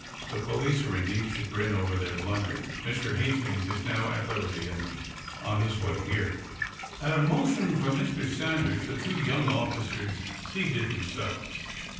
The police are in deep chagrin over their blunder. Mr. Hastings is now at liberty and on his way here." At a motion from Mr. Sanders the two young officers seated themselves.